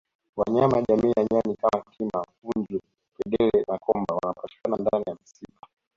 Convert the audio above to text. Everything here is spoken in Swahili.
Wanyama jamii ya nyani kama kima punju ngedere na komba wanapatikana ndani ya msitu